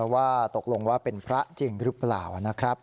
ว่าตกลงว่าเป็นพระจริงหรือเปล่านะครับ